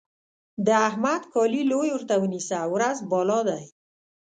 د احمد کالي لوی ورته ونيسه؛ ورځ بالا دی.